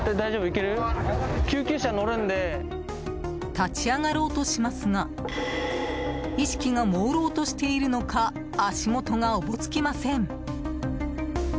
立ち上がろうとしますが意識がもうろうとしているのか足元がおぼつきません。